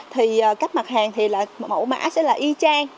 thì các mặt hàng thì mẫu mã sẽ là y chang